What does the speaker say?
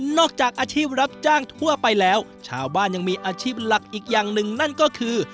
จากอาชีพรับจ้างทั่วไปแล้วชาวบ้านยังมีอาชีพหลักอีกอย่างหนึ่งนั่นก็คือ